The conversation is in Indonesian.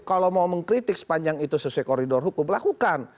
kalau mau mengkritik sepanjang itu sesuai koridor hukum lakukan